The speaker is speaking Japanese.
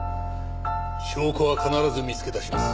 証拠は必ず見つけ出します。